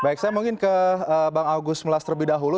baik saya mungkin ke bang agus melas terlebih dahulu